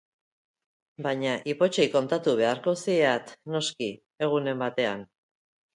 Baina ipotxei kontatu beharko zieat, noski... egunen batean.